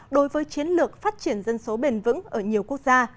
đối với chiến lược phát triển dân số bền vững ở nhiều quốc gia